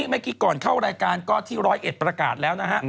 เมื่อกี้ก่อนเข้ารายการก็ที่ร้อยเอ็ดประกาศแล้วนะฮะ